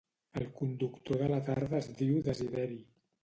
El conductor de la tarda es diu Desideri